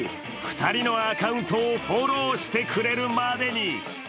２人のアカウントをフォローしてくれるまでに。